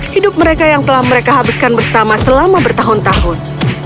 hidup mereka yang telah mereka habiskan bersama selama bertahun tahun